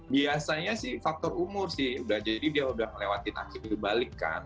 biasanya sih faktor umur sih jadi dia sudah melewati akil balik kan